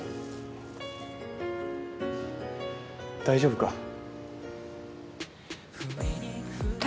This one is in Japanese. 大丈夫か？